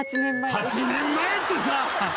８年前ってさ！